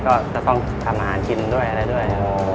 ก็จะต้องทำอาหารกินด้วยอะไรด้วย